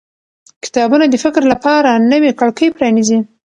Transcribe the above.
کتابونه د فکر لپاره نوې کړکۍ پرانیزي